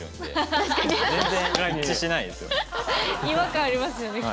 違和感ありますよねきっとね。